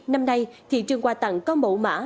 năm nay thị trường qua tặng có mẫu mã